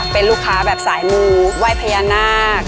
เป็นลูกค้าแบบสายมูไหว้พญานาค